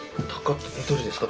どれですか？